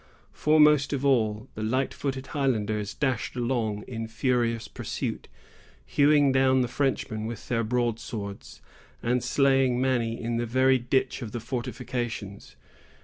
Foremost of all, the light footed Highlanders dashed along in furious pursuit, hewing down the Frenchmen with their broadswords, and slaying many in the very ditch of the fortifications.